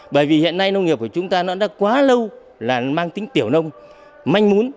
bởi vì hiện nay nông nghiệp của chúng ta nó đã quá lâu là mang tính tiểu nông manh mún